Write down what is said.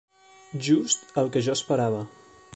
Just el que jo esperava.